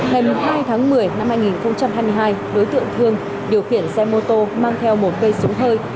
ngày hai tháng một mươi năm hai nghìn hai mươi hai đối tượng thương điều khiển xe mô tô mang theo một cây súng hơi